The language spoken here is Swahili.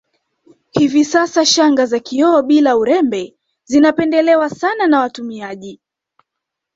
Hivi sasa shanga za kioo bila urembe zinapendelewa sana na watumiaji